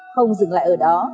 không dừng lại ở đó